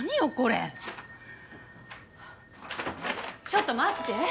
ちょっと待って。